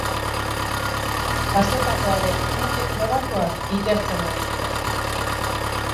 Jazotakoaren nondik norakoak ikertzen ari dira.